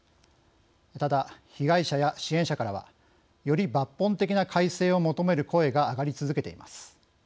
ただ、被害者や支援者からはより抜本的な改正を求める声が上がり続けています。